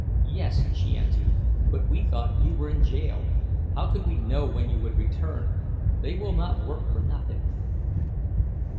"Yes," she answered—"but we thought you were in jail. How could we know when you would return? They will not work for nothing."